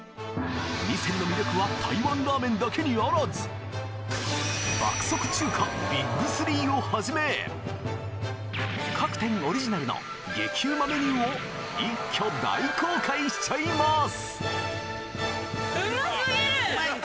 味仙の魅力は爆速中華ビッグ３をはじめ各店オリジナルの激うまメニューを一挙大公開しちゃいます！